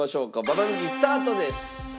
ババ抜きスタートです。